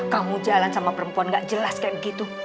kamu jalan sama perempuan gak jelas kayak begitu